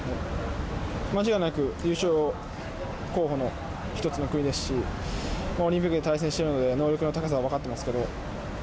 間違いなく優勝候補の１つの国ですしオリンピックで対戦してるので能力の高さは分かってますけど。